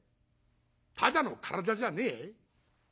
「ただの体じゃねえ？